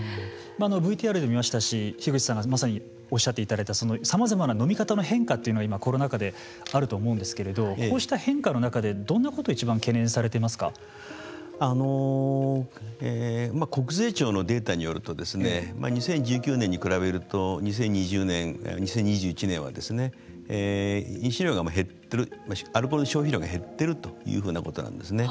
ＶＴＲでも見ましたし樋口さんがまさにおっしゃっていただいたさまざまな飲み方の変化が今、コロナ禍であると思うんですけれどこうした変化の中でどんなことをいちばん国税庁のデータによると２０１９年に比べると２０２０年、２０２１年は飲酒量が減っているアルコールの消費量が減っているというふうなことなんですね。